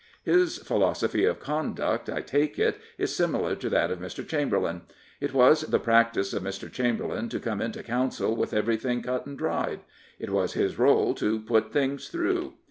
His philosophy of conduct, I take it, is similar to that of Mr. Chamberlain, It was the practice of Mr. Chamberlain to come into counsel with everything cut and dried.,^ It was his rdle to " put things through."